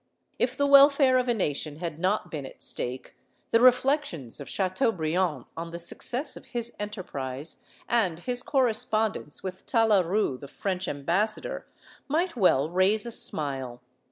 ^ If the welfare of a nation had not been at stake, the reflections of Chateaubriand on the success of his enterprise, and his corre spondence with Talaru, the French ambassador, might well raise a smile.